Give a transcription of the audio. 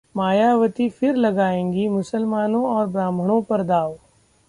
मायावती फिर लगाएंगी मुसलमानों और ब्राह्मणों पर दांव